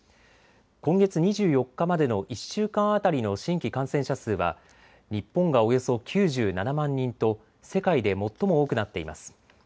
今月２４日までの１週間当たりの新規感染者数は日本がおよそ９７万人と世界で最も多くなっています。